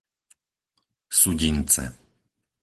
Sudince